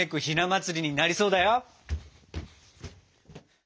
ひな祭りになりそうだよ。